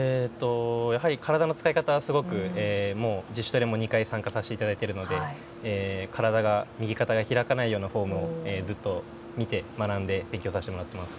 体の使い方なども自主トレも２回参加させてもらっているので体が、右肩が開かないようなフォームをずっと見て学んで勉強させてもらってます。